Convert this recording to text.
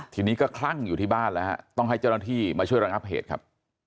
ทีนี้ก็คลั่งอยู่ที่บ้านแล้วฮะต้องให้เจ้าหน้าที่มาช่วยระงับเหตุครับ